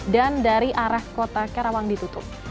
dan dari arah kota karawang ditutup